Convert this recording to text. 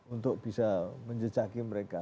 untuk bisa menjejaki mereka